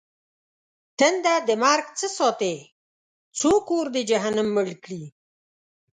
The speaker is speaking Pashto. تنده د مرگ څه ساتې؟! څوک اور د جهنم مړ کړي؟!